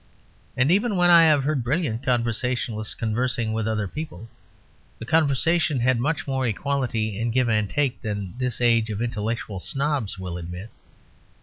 And even when I have heard brilliant "conversationalists" conversing with other people, the conversation had much more equality and give and take than this age of intellectual snobs will admit.